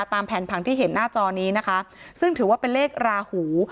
ตามแผนผังที่เห็นหน้าจอนี้นะคะซึ่งถือว่าเป็นเลขราหู